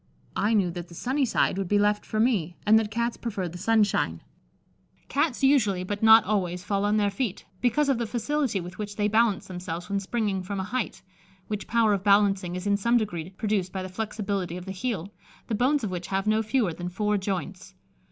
I knew that the sunny side would be left for me, and that Cats prefer the sunshine." Cats usually, but not always, fall on their feet, because of the facility with which they balance themselves when springing from a height, which power of balancing is in some degree produced by the flexibility of the heel, the bones of which have no fewer than four joints.